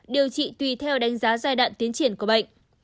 điều trị tùy theo đánh giá giai đoạn tiến triển của bệnh